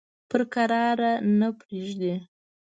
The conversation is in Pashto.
پر کراره نه پرېږدي.